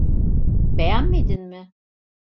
Beğenmedin mi?